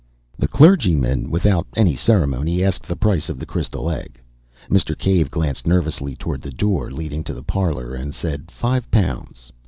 The clergyman, without any ceremony, asked the price of the crystal egg. Mr. Cave glanced nervously towards the door leading into the parlour, and said five pounds.